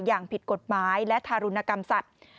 อย่างผิดกฎหมายและทารุณกรรมสัตว์